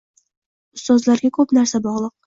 Ustozlarga ko‘p narsa bog‘liq.